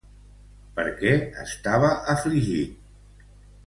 Per què estava afligit?